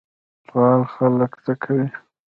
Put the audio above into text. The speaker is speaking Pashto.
فعال خلک څه کوي؟